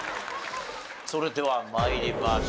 それでは参りましょう。